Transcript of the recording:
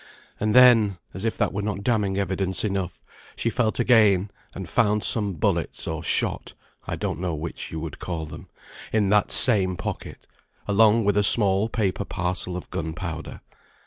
And then, as if that were not damning evidence enough, she felt again, and found some bullets or shot (I don't know which you would call them) in that same pocket, along with a small paper parcel of gunpowder.